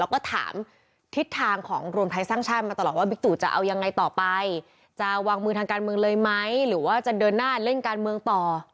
แล้วก็ถามทิศทางของรวมไทยสร้างชาติมาตลอดว่าบิ๊กตุจะเอายังไงต่อไปจะวางมือทางการเมืองเลยไหมหรือว่าจะเดินหน้าเล่นการเมืองต่อ